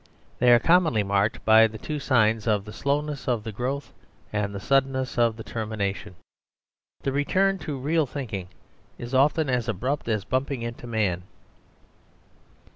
They are commonly marked by the two signs of the slowness of their growth and the suddenness of their termination. The return to real thinking is often as abrupt as bumping into a man.